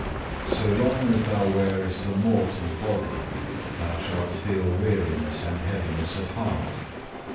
So long as thou wearest a mortal body, thou shalt feel weariness and heaviness of heart.